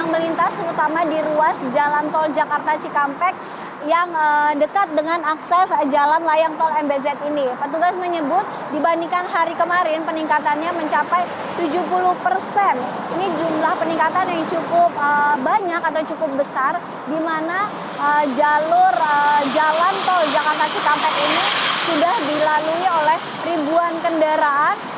di mana jalur jalan tol jakarta cikampek ini sudah dilalui oleh ribuan kendaraan